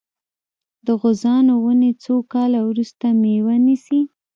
د غوزانو ونې څو کاله وروسته میوه نیسي؟